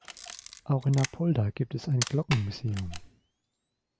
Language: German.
Auch in Apolda gibt es ein Glockenmuseum.